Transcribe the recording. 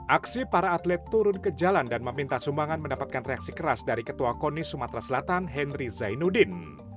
aksi para atlet turun ke jalan dan meminta sumbangan mendapatkan reaksi keras dari ketua koni sumatera selatan henry zainuddin